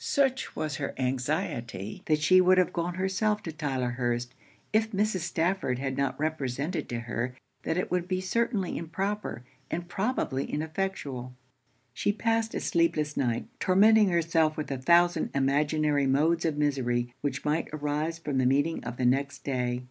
Such was her anxiety, that she would have gone herself to Tylehurst, if Mrs. Stafford had not represented to her that it would be certainly improper, and probably ineffectual. She passed a sleepless night, tormenting herself with a thousand imaginary modes of misery which might arise from the meeting of the next day.